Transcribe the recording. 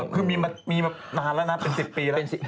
คือมีมานานแล้วนะเป็น๑๐ปีแล้ว